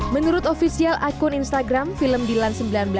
menurut ofisial akun instagram film dilan seribu sembilan ratus sembilan puluh